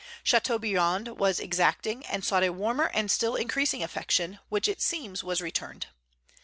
Châteaubriand was exacting, and sought a warmer and still increasing affection, which it seems was returned.